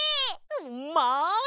うんまい！